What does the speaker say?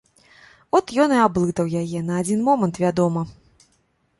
От ён і аблытаў яе, на адзін момант, вядома.